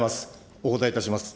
お答えいたします。